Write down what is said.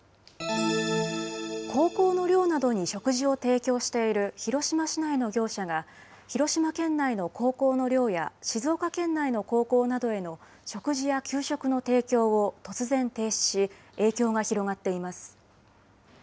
高校の寮などに食事を提供している広島市内の業者が、広島県内の高校の寮や静岡県内の高校などへの食事や給食の提供を突然停止し、影響が広がっています。